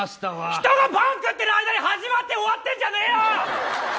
人がパン食ってる間に始まって終わってんじゃねえよ。